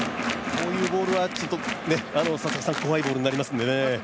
こういうボールは怖いボールになりますのでね。